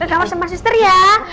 berkawan sama suster ya